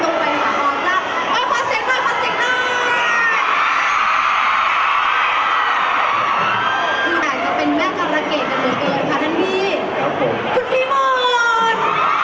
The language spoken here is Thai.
คุณพี่หมื่น